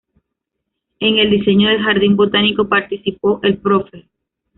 En el diseño del Jardín botánico participó el Prof.